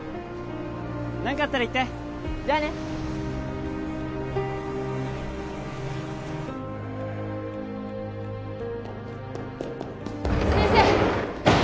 何かあったら言ってじゃあね先生！